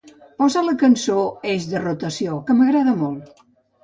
Posa la cançó "Eix de rotació", que m'agrada molt